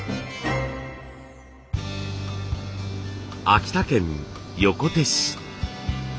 秋田県横手市。